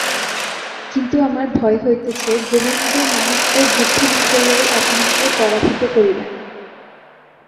কিন্তু আমার ভয় হইতেছে, গোবিন্দমাণিক্য যুদ্ধ না করিয়াই আপনাকে পরাভূত করিবেন।